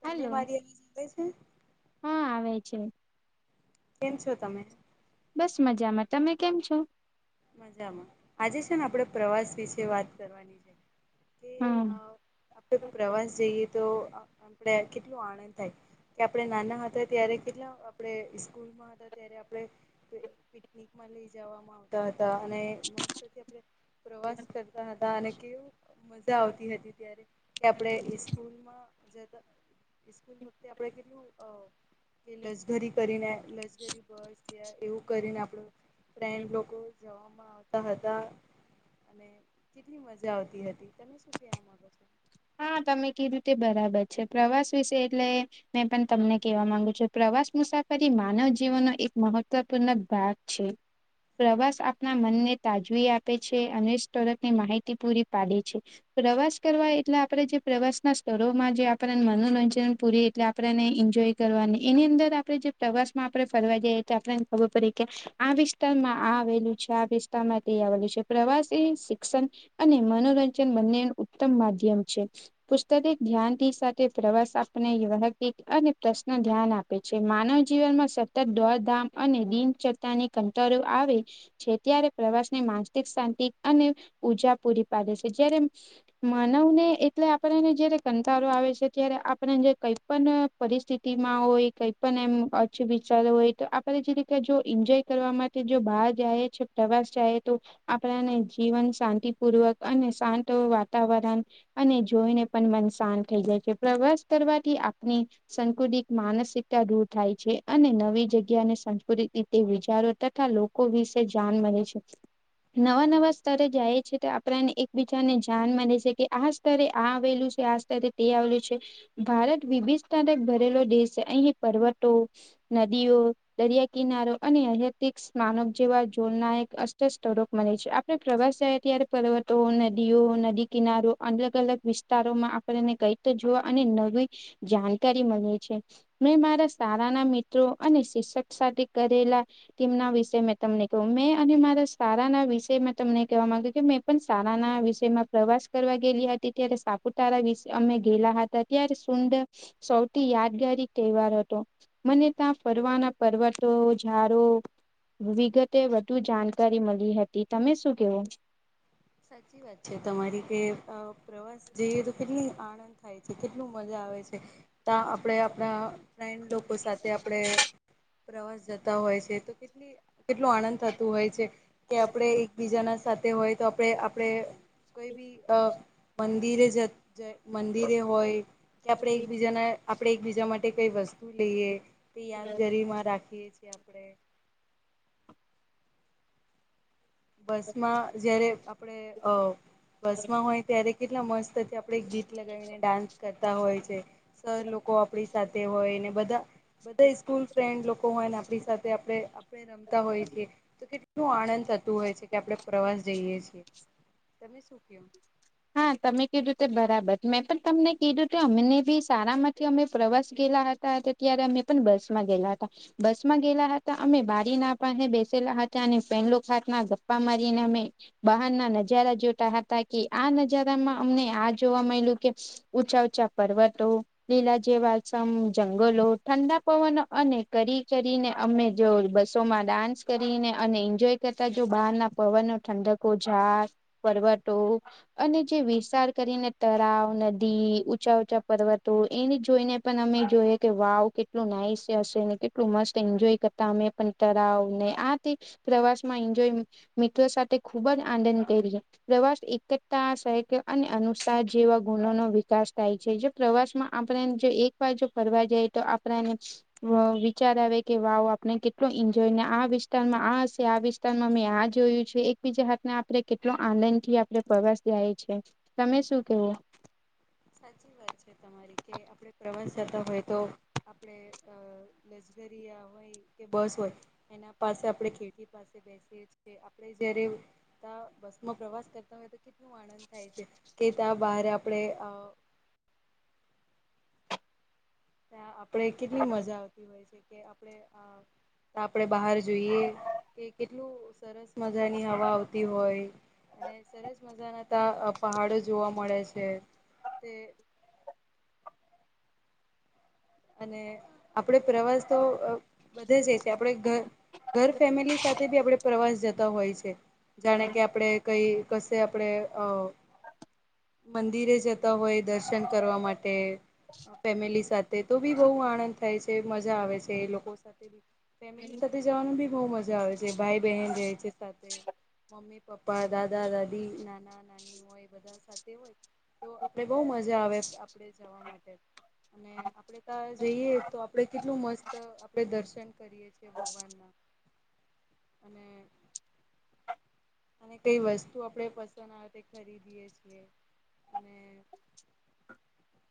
તમને હાલો મારી અવાજ આવે છે? હા આવે છે. કેમ છો તમે? બસ મજામાં. તમે કેમ છો? મજામાં આજે છે ને આપણેે પ્રવાસ વિશે વાત કરવાની છે. કે હા અ આપણે પ્રવાસ જઈએ તો આપણે કેટલું આનંદ થાય કે આપડે નાના હતા ત્યારે કેટલા આપડે સ્કૂલ હતા ત્યારે આપણે પિકનિકમાં લઈ જવામાં આવ હતા અને મસ્તથી આપણે પ્રવાસ કરતા હતા. અને કેવું મજા આવતી હતી ત્યારે કે આપણે ઈસ્કૂલમાં જતા ઈસ્કૂલ વખતે આપણે કેટલું અ કે લઝગરી કરીને લઝગરી બસ યા એવું કરીને આપડે બેન લોકો જવામાં આવતા હતા. અને કેટલી મજા આવતી હતી. તમે શું કેવા માંગો છો? હા તમે કીધું તે બરાબર છે. પ્રવાસ વિશે એટલે મેં પણ તમને કેવા માંગુ છું. પ્રવાસ પ્રવાસ મુસાફરી માનવ જીવનનો એક મહત્વપૂર્ણ ભાગ છે. પ્રવાસ આપના મનને તાજવી આપે છે. અને [unintelligible] માહિતી પૂરી પાડે છે. પ્રવાસ કરવા એટલે આપ આપણે જે પ્રવાસના સ્થળોમાં જે આપણને મનોરંજન પૂરી એટલે આપડાને ઈન્જોય કરવાની એની અંદર હવે આપણે જે પ્રવાસ માં આપણે ફરવા જઈએ તો આપણને ખબર પડી કે આ વિસ્તારમાં આ આવેલું છે. આ વિ વિસ્તારમાં તે આવેલું છે. પ્રવાસ એ શિક્ષણ અને મનોરંજન બંનેનું ઉત્તમ માધ્યમ છે. પુસ્તક એક ધ્યાનથી સાથે પ્રવાસ આપને [unintelligible] અને પ્રશ્ન ધ્યાન આપે છે. છે. માનવ જીવનમાં સતત દોડધામ અને દિનચરતાની કંટાળો આવે છે ત્યારે પ્રવાસની માનસિક શાંતિ અને ઉર્જા પૂરી પાડે છે. જ્યારે માનવને એટલે આપણાને જયારે કંંટાળો આવે છે ત્યારે આપણે જે કઈ પણ પરિસ્થિતિમાં હોય કઈ પણ એમ ઓછું વિચારું હોય તો આપડે જે રીતે જો ઈન્જોય કરવા માટે જો બહાર જાયે છે પ્રવાસ પ્રવાસ જાયે તો આપણાને જીવન શાંતિપૂર્વક અને શાંત વાતાવરણ અને જોઈને પણ મન શાંત થઈ જાય છે. પ્રવાસ કરવાથી આપણી સંકુલિત માનસિક તાં દૂર થાય છે. અને નવી જગ્યા અને સંસ્કૃતિક રીતે વિચારો તથા લોકો વિશે જાણ મલે છે. નવા નવા સ્તરે જાયે છે તો આપણાને એકબીજાને જાણ મલે છે કે આ સ્તરે આ આવેલું છે. આ સ્તરે તે આવેલું છે. ભારત વિભિતતા ભરેલો દેશ છે. અહી પર્વતો, નદીઓ, દરિયા કિનારો અને અહ્યોતિક સ્નાનક જેવા જોલના અસ્ત સ્તરો મલે છે. આપણે પ્રવાસ જાઈએ ત્યારે પર્વતો, નદીઓ નદી કિનારો અલ- અલગ વિસ્તારોમાં આપણને કઈ તો જોવા અને નવી જાણકારી મલે છે. મેં મારા શાળાના મિત્રો અને શિક્ષક સાથે કરેલા તેમના વિશે મેં તમને કહું, મેં અને મારા સારાના વિષયમાં તમને કેવા માંગ્યું કે મેં પણ સારાના વિષય માં પ્રવાસ કરવા હતી, ત્યારે સાપુતારા વિશે અમે ગેલા હતા ત્યારે સુંદર સૌથી યાદગારી તહેવાર હત,. મને તા ફરવાના પર્વતો ઝડો વિગતે વધુ જાણકારી મળી હતી, તમે શું કેવો? સાચી વાત છે, તમારી કે અ પ્રવાસ જઈએ તો કેટલી આનંદ થાય છે, કેટલું મજા આવે છે. આપણે આપણા [unintelligible] લોકો સાથે આપણે પ્રવાસ જતા હોય છે તો કેટલી કેટલું આનંદ થતું હોય છે, કે આપણે એકબીજાના સાથે હોય તો આપણે આપણે કોઈ બી અ મંદિરે જ જય મંદિરે હોય કે આપણે એકબીજાને આપડે એકબીજા માટે કઈ વસ્તુ લઈએ તે યાદગારીમાં રાખીએ છે, આપણે બસમાં જયારે આપડે અ બસમાં હોય ત્યારે કેટલા મસ્ત આપડે ગીત લગાવીને ડાન્સ કરતા હોય છે, સર લોકો આપણી સાથે હોયને બધા બધા સ્કૂલ ફ્રેન્ડ લોકો હોય ને આપણી સાથે આપડે આપણે રમતા હોય છએ તો કેટલું આનંદ હોય છે, કે આપણે પ્રવાસ જઈએ છીએ, તમે શું કે હા, તમે કીધું તે બરાબર મેં પણ તમને કીધું અમને બી સારામાંથી અમે પ્રવાસ ગયા, ત્યારે અમે પણ બસ માં ગેલા હતા બસ માં ગયેલા હતા, અમે બારી ના પા બેસેલા હતા અને પહેલો ખાત ના ગપ્પા મારીને અમે બહાર ના નજારા જોતા હતા, કે આ નજારામાં અમને આ જોવા મળેલ્યું કે ઊંચા ઊંચા પર્વતો લીલા જેવા મ જંગલો ઠંડા પવનો અને કરી કરીને અમે જો બસો માં ડાન્સ કરીને, અને એન્જોય કરતા જો બહાર ના પવનો ઠંડકો ઝાડ પર્વટ અને જે વિસાર કરીને તળાવ નદી ઊંચા ંચા પર્વતો એની જોઈને, પણ અમે જોઈ કે વાવ કેટલું નાઈસ હશે, ને કેટલું મસ્ત એન્જોય કરતા અમે પણ તરાવ ને પ્રવાસમાંજ મિત્રો સાથે ખુબ જ આનંદ કરીએ, પ્રવાસ સા અને અનુસાર જેવા ગુણો નો વિકાસ થાય છે, જે પ્રવાસમાં આપણે એક વાર જો ફરવા જાય તો આપણાને વિચાર આવે કે વાવ આપને કેટલો એન્જોય વિસ્તારમાં આ હશે આ વિસ્તારમાં મેં આ જોયું છે, એકબીજા હાથને આપણે કેટલો આનંદ થી આપ એ પ્રવાસ જાય છે, તમે શું કેવું સાચી વાત છે, તમારી કે આપણે પ્રવાસ જતા હોય, તો આપડે દરિયા હોય કે બસ હોય એના પાસે આપણે ખેતી પાસે બેસી આપણે જયારે ત્યા બસમાં પ્રવાસ કરતા હોય તો કેટલું આનંદ થાય છે, કે ત્યાં બહારે આપડે ત્યાં આપડ કેટલી મજા આવતી હોય છે, કે આપણે તો આપડણે બહાર જોઈએ કે કેટલું સરસ મજાની હવા આવતી હોય અને સરસ મજા ના ત પહાડો જોવા મળે છે, કે તે અને આપડે પ્રવાસ તો વધે છે, આપણે ઘર ઘર ફેમિલી સાથે બી આપણે પ્રવાસ જતા હોય છે, જાણે કે આપણે કઈ કશે આપણે અ મંદિરે જતા હોય દર્શન કરવા માટે ફેમિલી સાથે તો બી બહુ આનંદ થાય છે, મજા આવે છે, એ લોકો સાથે ફેમિલી સાથે જવાનું બી બહ મજા આવે છે. જે ભાઈ બહેન રહે છે, સાથે મમ્મી પપ્પા દાદા દાદી નાના નાની હોય, બધા સાથે હોય, તો આપડે બહુ મજા આવે આપડ જવા માટે અને આપણે જઈએ, તો આપડણે કેટલું મસ્ત આપણેે દર્શન કરીએ છીએ, ભગવાન ના [unintelligible] અને કઈ વસ્તુ આપણે પસંદ આવે તે ખરીદીએ છીએ, અને [inaudible]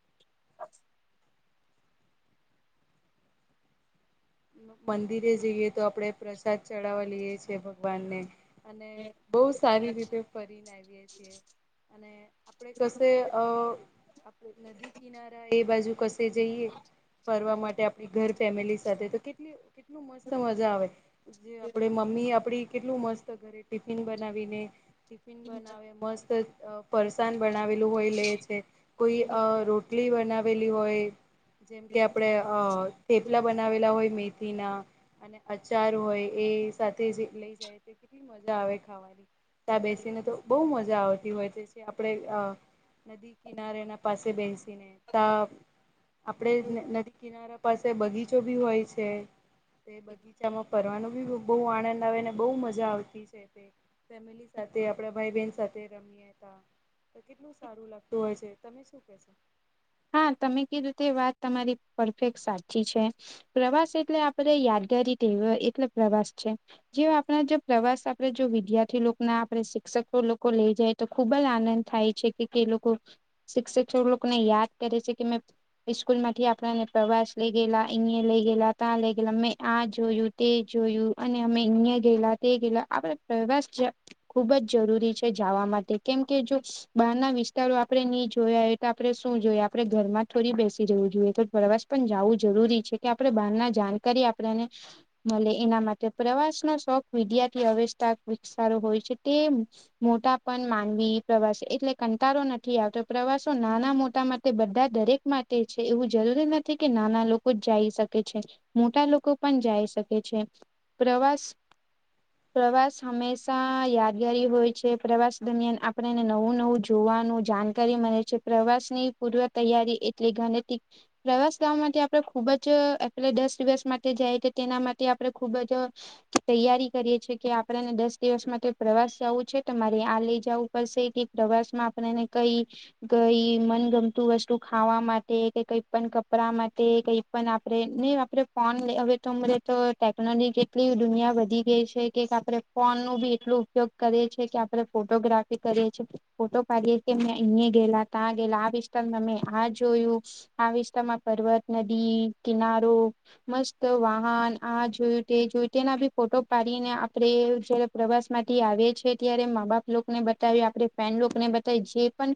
મંદિરે જઈએ, તો આપણે પ્રસાદ ચડાવવા લઈએ છેએ ભગવાનને અને બહુ સારી રીતે ફરીને આવીએ છીએ, અને આપણેે કશે અ આપ નદી કિનારા એ બાજુ કસે જઈએ ફરવા માટે આપણી ઘર ફેમિલી સાથે કે કેટલું મસ્ત મજા આવે જે આપ મમ્મી આપડી કેટલું મસ્ત ઘરે ટિફિન બના બના મસ્ત પરસાાન બનાવેલું હોય લે છે કોઈ રોટલી બનાવેલી હોય જેમ કે આપણે અ થેપલા બનાવેલા હોય મેથી ના અને અચાર હોય એ સાથે લઈ જાય તે કેટલી મજા આવે ખાવાની ત બેસીને તો બહુ મજા આવતી હોય તે આપણે નદી કિનારે એના પાસે બેસી ને ત આપડે નદી કિનારા પાસે બગીચો ભી હોય છે તે બગીચામાં ફરવાનું બી બહુ આનંદ આવેને બહ મજા આવતી છે તે ફેમિલી સાથે આપડા ભાઈ બહેન સાથે રમી હતા તો કેટલું સારું લાગતું હોય છે તમે શું કેશો હા તમે કીધું તે વાત તમારી પરફેક્ટ સાચી છે પ્રવાસ એટલે આપડ યાદ એટલે પ્રવાસ છે જે આપણા જો પ્રવાસ આપે જો વિદ્યાર્થી ના આપે શિક્ષકો લોકો લઈ જાય તો ખુબ જ આનંદ થાય છે કે લોકો શિક્ષકો લોકોને યાદ કરે છે કે મે સ્કૂલ માંથી આપને પ્રવાસ લઈ ગે અ લઈ ગે ત્યાં લઈ ગેલા મે જોયું તે જોયું અને અમે અહં ગયેલા તે ગયેલા આપ પ્રવાસ ખુબ જ જરૂ છે જવા માટે કેમ કે જો બહાર ના વિસ્તારો આપડણે નહી જોયા હોય તો આપણે શું જોયા આપણે ઘરમાં થોડી બેસી જવું જોઈએ તો પ્રવાસ પણ જવું જરૂરી છે કે આપણે બહાર ના જાણકારી આપણેને ભલે એના માટે પ્રવાસનોો શોખ વિદ્યાર્થી અવસ્થા વિકસારો હોય છે તે મોટા પણ માનવી પ્રવાસે એટલે કંટારો નથી આવતો પ્રવાસો નાના મોટામાં તે બધા દરેક માટે છે એવું જરૂરી નથી કે નાના લોકો જ જઈ શકે છે મોટા લોકો પણ જાય શકે છે પ્રવાસ પ્રવાસ હંમેશા યાદગારી હોય છે પ્રવાસ દરમિયાન આપણે એને નવું નવું જોવ ન જાણકારી મળે છે પ્રવાસ ની પૂર્વ તૈયારી એટલી ગણત પ્રવાસ ગ માટેથી આપડે ખુબ જ એટલે દસ દિવસ માટે જાય તો તેના માટે આપણે ખુબ જ તૈયારી કરીએ છીએ કે આપણેેને દસ દિવસ માટે પ્રવાસ સવું છે તમારે આ લઈ જવું પર સથી પ્રવાસ માં આપને કઈ ગઈ મનગમ વસ્તુ ખાવા માટે કે કઈ પણ કપડા માટે કઈ પણ આપણે નહી આપણે ફોન હવે તો ટેકનોલોજી કેટલી દુનિયા વધી ગઈ છે કે આપે ફોન નું બી એટલ ઉપયોગ કરીે આપડે ફોટોગ્રાફી કરીએ છીએ ફોટો પાડીએએ અ ગેલા ત ગેલા તમે આ જોયું આ વિસ્તારમાં પર્વત નદી કિનારો મસ્ત વાહન આ જોયું તે જોયું તેના બી ફોટો પાડીને આપડે જયારે પ્રવાસ માંથી આવે ત્યારે મા બાપ લોકોને બતાવી આપણે ફડ લોકોને બતાવી જે પણ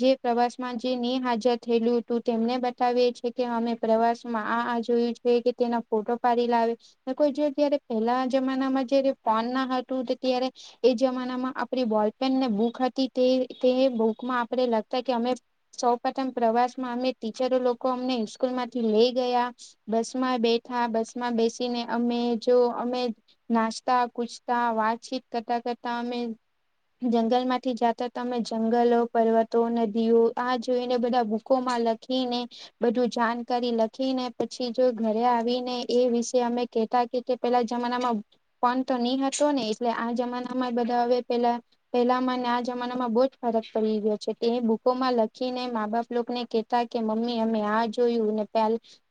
જે પ્રવાસ માં જે હાજર થયેલું હતું તેમને બતાવીએી કે અમે પ્રવાસ માં આ આ જોયું છે તેના ફોટો પાડી લાવે કોઈ જો જયારે પહેલા જમાનામાં જયારે ફોન ના હતું ત્યારે એ જમાનામાં આપડી બોલપેનને બૂક હતી તે તે બુકમાં આપે લગતા કે અમે સૌ પ્રથમ પ્રવાસ માં અમે ટીચરો લોકો અમને સ્કૂલ માંથી લઈ ગયા બસમાં બે [inaudible] બસમાં બેસીને અમે જો અમે નાસ્તા કૂછતા વાતચીત કરતા કરતા અમે જંગલ માંથી જતા અમે જંગલો પર્વતો નદીઓ આ જોઈને બધા બુકોમાં લખી ને બધું જાણકારી લખી ને પછી જો ઘરે આવીને એ વિશે અમે કેતા પેલા જમાનામાં પણ તો નહી હતો ને એટલે આ જમાના બધા હવે પેલા પહેલામાં આ જમાનામાં બહુ જ ફરક પડી ગયો છે તે બુકોમાં લ ખીને મા બાપ લોકોને કેહતા કે મમ્મી અમે આ જોયું ને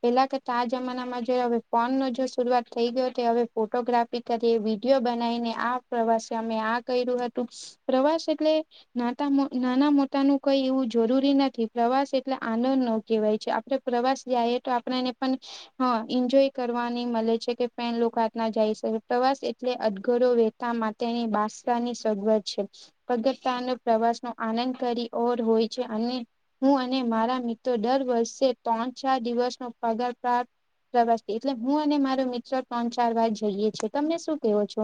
પેલા કરતા આ જમાનામાં હવે ફોન નો જો શરૂઆત થઈ ગયો તે હવે ફોટોગ્રાફી કરી વિડીયો બનાવીને આ પ્રવાસ મે આ કર્યું હતું પ્રવાસ એટલે ના નાના મોટા ન કઈ એવું જરૂરી નથી પ્રવાસ એટલે આનંદ નો કહેવાય છે આપણે પ્રવાસ જઈએ તો આપણેને પણ એન્જોય કરવાની મળે છે કે પ લોકોત ના જાય શકે પ્રવાસ એટલે અધગરો વેતા માટે તેની બાષની સગવત છે કગતા પ્રવાસ નો આનંદ કરી ઓર હોય છે અને હું અને મારા મિત્રો દર વર્ષે ત્રણ ચાર દિવસનો પગાર પ્રાપ્ પ્રવાસથી એટલે હું અને મારો મિત્ર ત્રણ ચાર વાર જઈએ છું તમને શું કેવો છો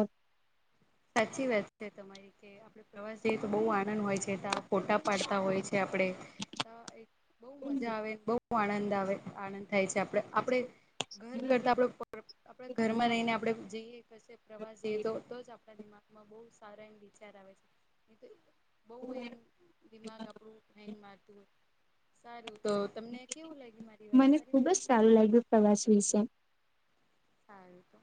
સાચી વાત છે તમારી કે આપડે પ્રવાસ જઈએ તો બહુ આનંદ હોય છે ત ફોટા પાડતા હોય છે આપડે બઉુ મજા આવે બ બ આનંદ આવે આનંદ થાય છે આપડ આપણે ઘર કરતા આપડ આપણા ઘરમાં રહીને આપડણે જઈએ ક પ્રવાસ જઈએ તો તો જ આપ દિમાગમાં બહુ સારા એમ વિચાર આવે છે બહ એમ દિમાગ આપણું હેંગ મારતું સારું તો તમને કેવું લાગ્યું મારી વાત મને સારી ખુબજ લાગી સારું લાગ્યું પ્રવાસ વિશે સ તો